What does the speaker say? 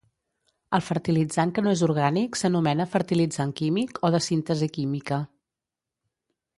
El fertilitzant que no és orgànic s'anomena Fertilitzant químic o de síntesi química.